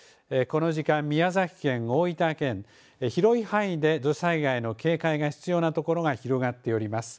この時間、宮崎県、大分県、広い範囲で土砂災害の警戒が必要な所が広がっております。